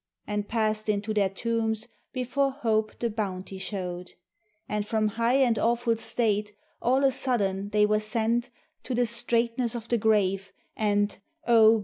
✿ And passed unto their tombs before Hope the bounty showed: And from high and awful state all a sudden they were sent ✿ To the straitness of the grave and oh!